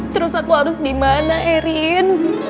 terus aku harus dimana erin